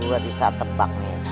gua bisa tebak nih